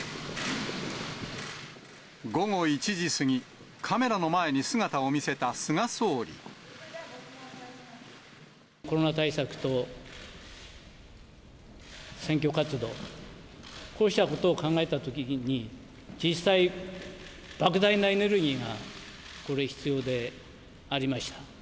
午後１時過ぎ、コロナ対策と選挙活動、こうしたことを考えたときに、実際、ばく大なエネルギーがこれ、必要でありました。